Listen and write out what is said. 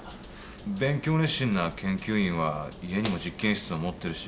勉強熱心な研究員は家にも実験室を持ってるし。